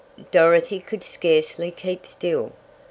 Dorothy could scarcely keep still.